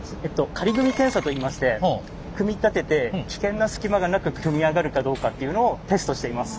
仮組み検査といいまして組み立てて危険な隙間がなく組み上がるかどうかっていうのをテストしています。